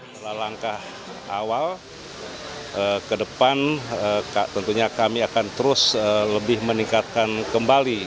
setelah langkah awal ke depan tentunya kami akan terus lebih meningkatkan kembali